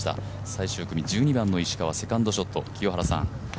最終組１２番の石川、セカンドショット。